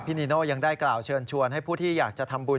นีโน่ยังได้กล่าวเชิญชวนให้ผู้ที่อยากจะทำบุญ